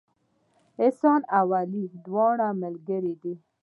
احسان او علي دواړه ملګري دي